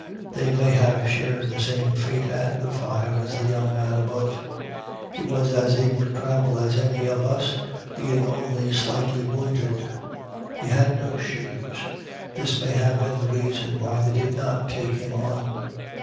They may have shared the same fate at the fire as the young man above. He was as able to travel as any of us, being only slightly wounded. He had no shoes this may have been the reason why they did not take him on.